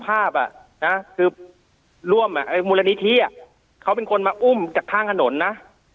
ภาพอ่ะนะคือมูลนิธิอ่ะเขาเป็นคนมาอุ้มจากทางคนนนะ